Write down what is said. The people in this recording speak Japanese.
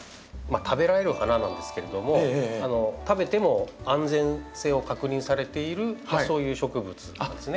食べられる花なんですけれども食べても安全性を確認されているそういう植物ですね。